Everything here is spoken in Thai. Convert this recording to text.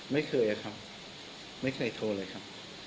ไม่เคยครับไม่เคยโทรเลยครับ